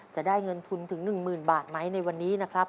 จะได้เงินทุนถึง๑๐๐๐บาทไหมในวันนี้นะครับ